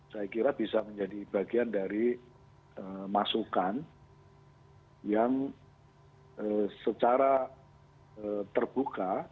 saya kira bisa menjadi bagian dari masukan yang secara terbuka